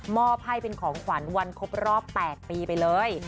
อบให้เป็นของขวัญวันครบรอบ๘ปีไปเลย